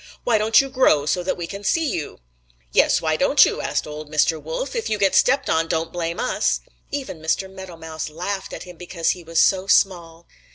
Why don't you grow so that we can see you?' "'Yes, why don't you?' asked old Mr. Wolf. 'If you get stepped on, don't blame us.' Even Mr. Meadow Mouse laughed at him because he was so small.